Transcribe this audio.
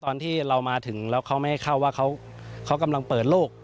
ตอนที่เรามาถึงแล้วเขาไม่ให้เข้าว่าเขากำลังเปิดโลก